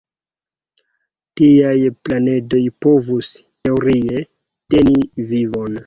Tiaj planedoj povus, teorie, teni vivon.